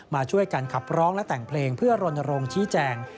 มาช่วยกันขับร้องและแต่งเพลงเพื่อรณรงค์ชี้แจง